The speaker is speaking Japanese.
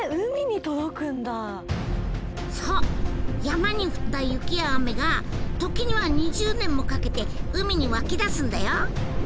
山に降った雪や雨が時には２０年もかけて海に湧き出すんだよ。